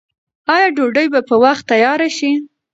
آیا ډوډۍ به په وخت تیاره شي؟